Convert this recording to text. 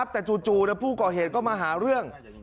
แต่จู่ผู้ก่อเหตุก็มาหาเรื่อง